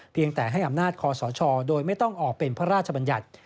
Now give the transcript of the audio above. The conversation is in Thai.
เพียงแต่ให้อำนาจคอสชโดยไม่ต้องออกเป็นพระราชบัญญัติ